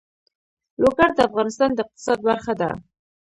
لوگر د افغانستان د اقتصاد برخه ده.